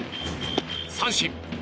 三振。